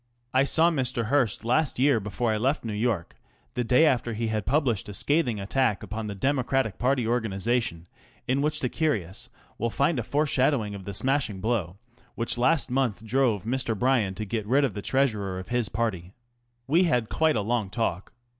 I saw Mr. Hearst last year just before I left New York, the day after he had published a scathing attack upon the Democratic party organisation, in which the curious will find a foreshadowing of the smashing blow which last month drove Mr. Bryan to get rid of the Treasurer of his party. We had quite a long talk.